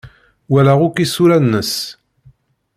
Walaɣ akk isura-nnes.